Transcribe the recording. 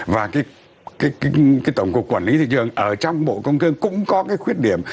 và cái tổng cục quản lý thị trường ở trong bộ công thương cũng có cái khuyến khích